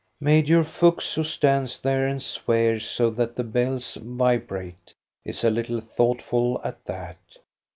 Major Fuchs, who stands there and swears so that the bells vibrate, is a little thoughtful at that.